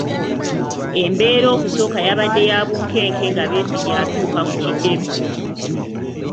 Embeera okusooka yabadde ya bunkenke nga Besigye atuuka ku kitebe.